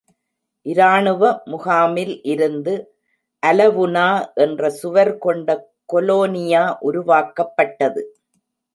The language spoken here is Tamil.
இராணுவ முகாமில் இருந்து "அலவுனா"என்ற சுவர் கொண்ட கொலோனியா உருவாக்கப்பட்டது.